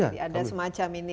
ada semacam ini